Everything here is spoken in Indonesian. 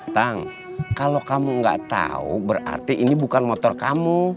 tang kalau kamu nggak tahu berarti ini bukan motor kamu